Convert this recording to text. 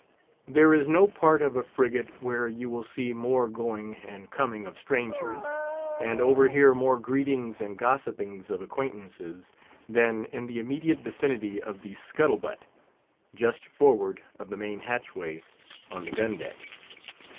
There is no part of a frigate where you will see more going and coming of strangers, and overhear more greetings and gossipings of acquaintances, than in the immediate vicinity of the scuttle butt, just forward of the main hatchway, on the gun deck.